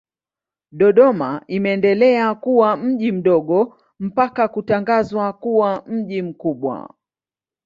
Dodoma imeendelea kuwa mji mdogo mpaka kutangazwa kuwa mji mkuu.